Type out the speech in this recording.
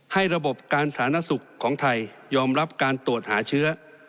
ระบบการสาธารณสุขของไทยยอมรับการตรวจหาเชื้อ